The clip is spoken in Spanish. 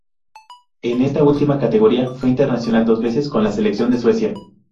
En esta última categoría fue internacional dos veces con la selección de Suecia.